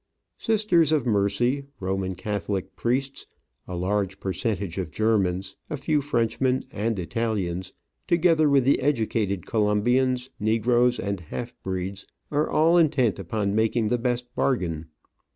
Sisters of Mercy, Roman Catholic priests, a large percentage of Germans, a few Frenchmen and Italians, together with the educated Colombians, negroes, and half breeds, are all intent upon making the best bargain.